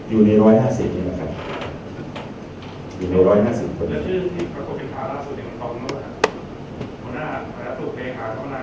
อยู่ใน๑๕๐คนค่ะ